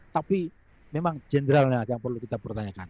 tapi memang jenderal yang perlu kita pertanyakan